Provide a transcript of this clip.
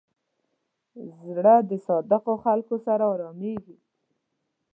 زړه د صادقو خلکو سره آرامېږي.